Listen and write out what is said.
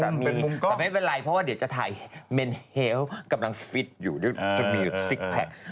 แต่ไม่เป็นไรเพราะว่าเดี๋ยวจะถ่ายเมนเฮลกำลังฟิตอยู่ด้วยจนมีซิกแพค